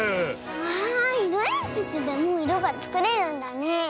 わあいろえんぴつでもいろがつくれるんだね。